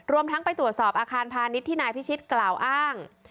ทั้งไปตรวจสอบอาคารพาณิชย์ที่นายพิชิตกล่าวอ้าง